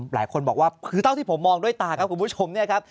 หลายคนบอกว่าคือเท่าที่ผมมองด้วยตาครับคุณผู้ชมเนี่ยครับ